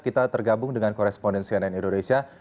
kita tergabung dengan korespondensi ann indonesia